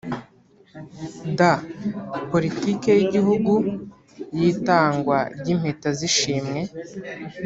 d) Politiki y’Igihugu y’Itangwa ry’impeta z’ishimwe